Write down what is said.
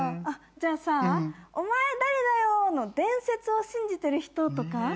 じゃあさ「お前誰だよ⁉」の伝説を信じてる人とか？